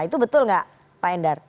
itu betul nggak pak endar